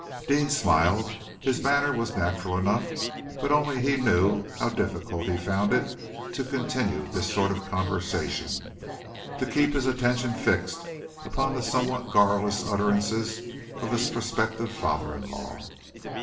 Deane smiled. His manner was natural enough, but only he knew how difficult he found it to continue this sort of conversation to keep his attention fixed upon the somewhat garrulous utterances of his prospective father in law.